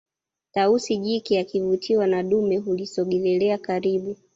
tausi jike akivutiwa na dume hulisogelelea karibu